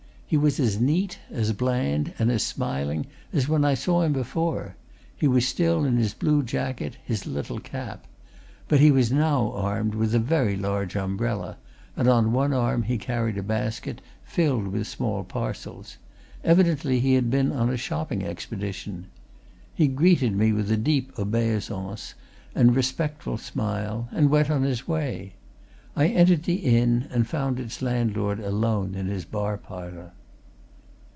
He was as neat, as bland, and as smiling as when I saw him before; he was still in his blue jacket, his little cap. But he was now armed with a very large umbrella, and on one arm he carried a basket, filled with small parcels; evidently he had been on a shopping expedition. He greeted me with a deep obeisance and respectful smile and went on his way I entered the inn and found its landlord alone in his bar parlour.